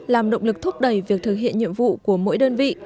làm động lực thúc đẩy việc thực hiện nhiệm vụ của mỗi đơn vị